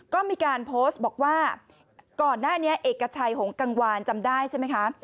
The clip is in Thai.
ก็มีการโพสต์บอกว่าก่อนหน้านี้เอกชัยหงกังวานจำได้ใช่ไหมคะ